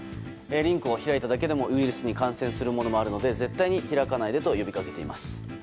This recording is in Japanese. リンクを開いただけでもウイルスに感染するものもあるので絶対に開かないでと呼び掛けています。